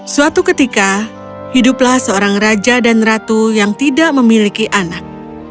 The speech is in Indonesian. suatu ketika hiduplah seorang raja dan ratu yang tidak memiliki anak